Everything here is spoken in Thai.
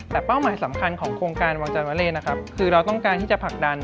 แต่เป้าหมายสำคัญของโครงการวางจันวาเลนะครับคือเราต้องการที่จะผลักดัน